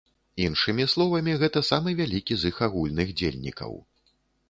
Іншымі словамі, гэта самы вялікі з іх агульных дзельнікаў.